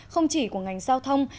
không chỉ của ngành giao thông